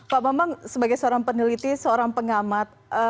pak bambang sebagai seorang peneliti seorang pengamat